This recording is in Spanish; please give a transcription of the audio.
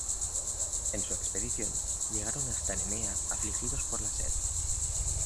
En su expedición llegaron hasta Nemea afligidos por la sed.